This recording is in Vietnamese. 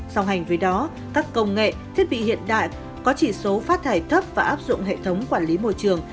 song hành với đó các công nghệ thiết bị hiện đại có chỉ số phát thải thấp và áp dụng hệ thống quản lý môi trường